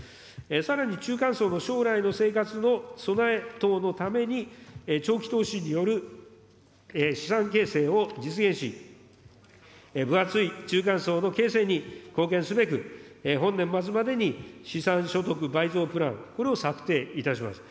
さらに中間層の将来の生活の備え等のために、長期投資による資産形成を実現し、分厚い中間層の形成に貢献すべく、本年末までに資産所得倍増プラン、これを策定いたします。